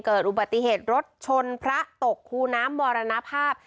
เกิดอุบัติเหตุรถชนพระตกคูน้ำมรณภาพ